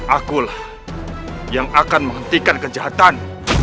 akulah yang akan menghentikan kejahatan